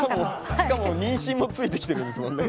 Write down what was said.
しかも妊娠もついてきてるんですもんね。